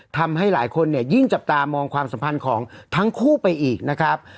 ทำให้หลายคนเนี่ยยิ่งจับตามองความสัมพันธ์ของทั้งคู่ไปอีกนะครับ